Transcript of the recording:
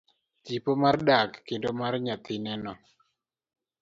Tipo mar dak kendo mar nyathine no.